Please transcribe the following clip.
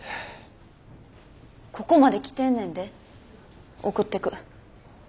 ここまで来てんねんで送ってく。